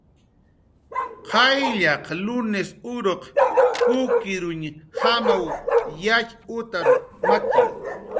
Qayllaq lunis uruq kukirñujamaw yatxutar maki